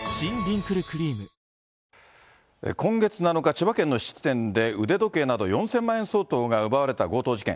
千葉県の質店で腕時計など４０００万円相当が奪われた強盗事件。